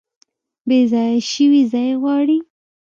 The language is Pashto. بیځایه شوي ځای غواړي